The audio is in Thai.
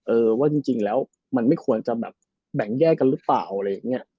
เออว่าจริงแล้วมันไม่ควรจะแบ่งแย่กันรึเปล่าอะไรแบบนี้